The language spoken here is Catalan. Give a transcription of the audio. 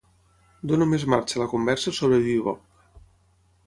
Dono més marxa a la conversa sobre bibop.